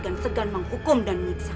tadi saya perlu mendengarnya